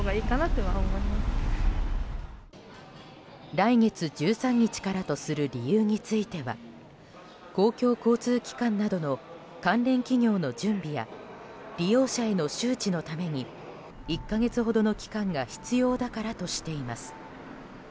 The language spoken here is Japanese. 来月１３日からとする理由については公共交通機関などの関連企業の準備や利用者への周知のために１か月ほどの期間が必要だからとしています。